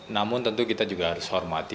namun tentu kita juga harus hormati